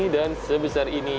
dan sebesar ini